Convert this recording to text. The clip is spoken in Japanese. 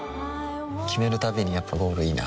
決めるたびにやっぱゴールいいなってふん